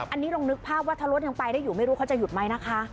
อันนี้ลองนึกภาพว่าถ้ารถยังไปได้อยู่ไม่รู้เขาจะหยุดไหมนะคะ